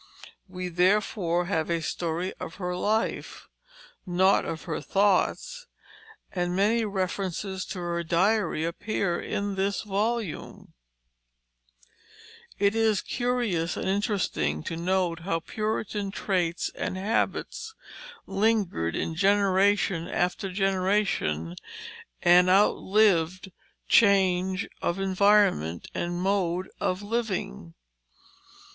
We, therefore, have a story of her life, not of her thoughts; and many references to her diary appear in this volume. [Illustration: Anna Green Winslow] It is curious and interesting to note how Puritan traits and habits lingered in generation after generation, and outlived change of environment and mode of living.